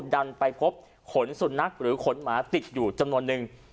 ดันไปพบขนสุนัขหรือขนหมาติดอยู่จำนวนนึง